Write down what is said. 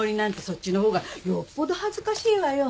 そっちの方がよっぽど恥ずかしいわよ。